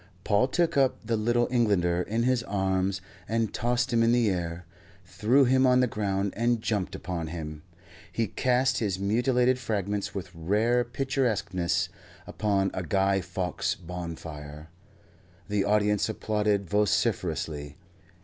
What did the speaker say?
Paul took up the Little Englander in his arms and tossed him in the air, threw him on the ground and jumped upon him. He cast his mutilated fragments with rare picturesqueness upon a Guy Fawkes bonfire. The audience applauded vociferously.